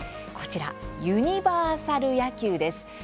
こちら「ユニバーサル野球」です。